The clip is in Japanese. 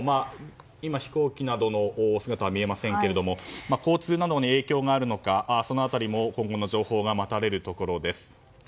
今、飛行機などの姿は見えませんが交通などに影響があるのかそのあたりも今後の情報が待たれるところです。